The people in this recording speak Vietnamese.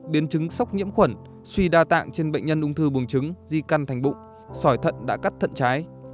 biến chứng sốc nhiễm khuẩn suy đa tạng trên bệnh nhân ung thư buồng trứng di căn thành bụng sỏi thận đã cắt thận trái